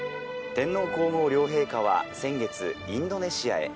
天皇皇后両陛下は先月インドネシアへ。